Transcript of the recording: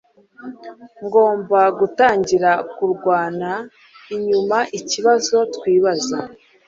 Ngomba gutangira kurwana inyuma ikibazo twibaza